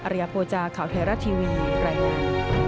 ริยโภจาข่าวไทยรัฐทีวีรายงาน